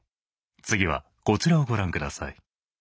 次はこちらをご覧下さい。